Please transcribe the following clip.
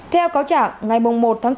theo cáo trả ngày một tháng một mươi hai